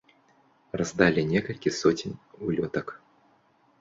Раздалі некалькі соцень улётак.